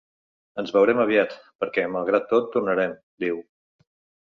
“Ens veurem aviat, perquè, malgrat tot, tornarem”, diu.